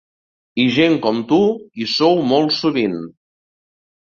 I gent com tu hi sou molt sovint.